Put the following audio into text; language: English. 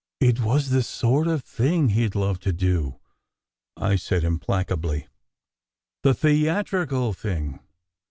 "It was the sort of thing he d love to do," I said im placably. "The theatrical thing.